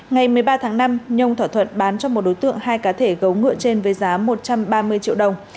ngày một mươi ba tháng năm nhung thỏa thuận bán cho một đối tượng hai cá thể gấu ngựa trên với giá một trăm ba mươi triệu đồng